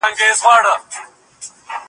څنګه هېوادونه د نړیوال قانون درناوی کوي؟